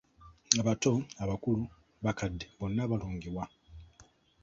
"Abato, abakulu, bakadde bonna balungiwa."